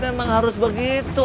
emang harus begitu